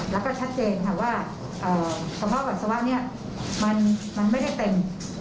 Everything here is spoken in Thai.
แล้วก็ชัดเจนค่ะว่าเอ่อสมบัติศาสตร์เนี้ยมันมันไม่ได้เต็ม